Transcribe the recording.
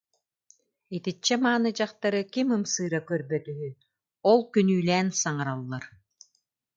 Итиччэ мааны дьахтары ким ымсыыра көрбөт үһү, ол күнүүлээн саҥараллар